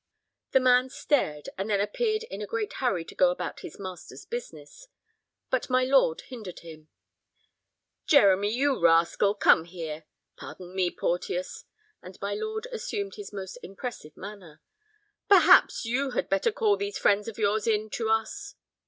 The man stared, and then appeared in a great hurry to go about his master's business. But my lord hindered him. "Jeremy, you rascal, come here. Pardon me, Porteus"—and my lord assumed his most impressive manner—"perhaps you had better call these friends of yours in to us."